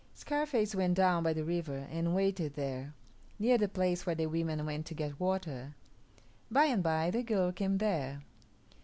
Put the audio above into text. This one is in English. Scarface went down by the river and waited there, near the place where the women went to get water. By and by the girl came there.